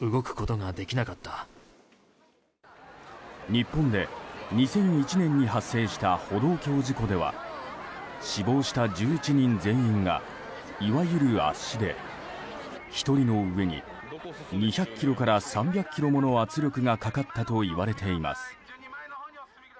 日本で２００１年に発生した歩道橋事故では死亡した１１人全員がいわゆる圧死で１人の上に２００ｋｇから３００ｋｇもの圧力がかかったといわれています。